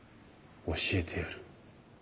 教えてやる。